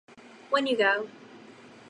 When You Go!